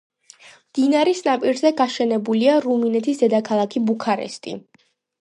მდინარის ნაპირზე გაშენებულია რუმინეთის დედაქალაქი ბუქარესტი.